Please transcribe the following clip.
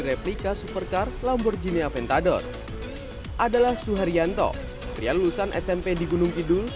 replika supercar lamborghini aventador adalah suharyanto pria lulusan smp di gunung kidul